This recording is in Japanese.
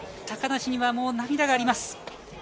高梨には、もう涙があります。